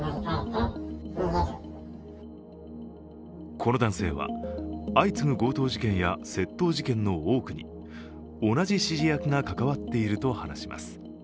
この男性は、相次ぐ強盗事件や窃盗事件の多くに同じ指示役が関わっていると話します。